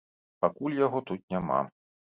Пакуль яго тут няма.